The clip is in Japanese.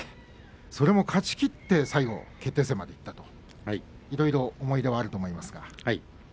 それでも勝ち切って最後決定戦までいったといろいろ思い出はあると思いますが。